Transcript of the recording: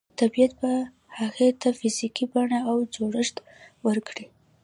طبیعت به هغې ته فزیکي بڼه او جوړښت ورکړي